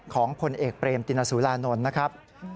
ของคนเอกเบรฟ์ติณสุรานนลนะครับ